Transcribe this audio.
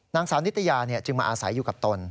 นางสาวนิตยาจึงมาอาศัยอยู่กับตน